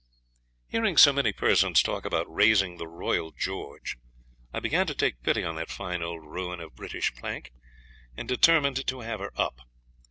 Hearing so many persons talk about raising the "Royal George," I began to take pity on that fine old ruin of British plank, and determined to have her up.